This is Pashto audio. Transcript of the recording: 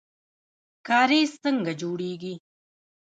کاریز څنګه جوړیږي؟